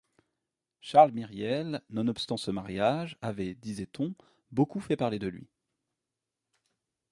Charles Myriel, nonobstant ce mariage, avait, disait-on, beaucoup fait parler de lui.